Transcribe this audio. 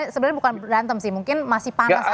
sebenarnya bukan berantem sih mungkin masih panas ya